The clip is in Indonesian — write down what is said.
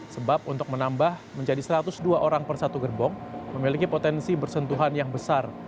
sebab untuk menambah menjadi satu ratus dua orang per satu gerbong memiliki potensi bersentuhan yang besar